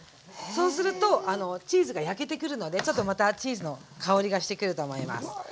そうするとチーズが焼けてくるのでちょっとまたチーズの香りがしてくると思います。